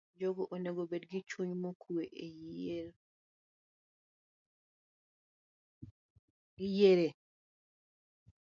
Jogo onego obed gi chuny mokuwe, giyier e